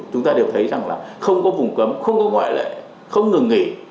chúng ta đều thấy rằng là không có vùng cấm không có ngoại lệ không ngừng nghỉ